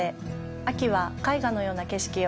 秋は絵画のような景色を。